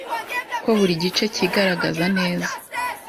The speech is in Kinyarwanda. Ko buri gice cyigaragaza neza